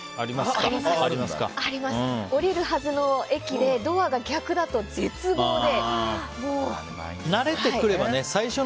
降りるはずの駅でドアが逆だと、絶望で。